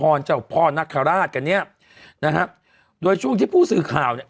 เจ้าพ่อนคราชกันเนี้ยนะฮะโดยช่วงที่ผู้สื่อข่าวเนี้ย